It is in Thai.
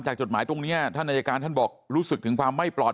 จดหมายตรงนี้ท่านอายการท่านบอกรู้สึกถึงความไม่ปลอด